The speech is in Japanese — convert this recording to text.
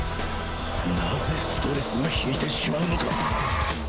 何故ストレスが引いてしまうのか